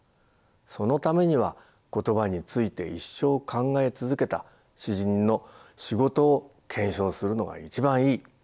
そのためには言葉について一生考え続けた詩人の仕事を検証するのが一番いい。